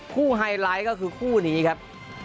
ไฮไลท์ก็คือคู่นี้ครับ